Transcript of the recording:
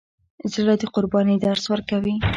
زړه د قربانۍ درس ورکوي.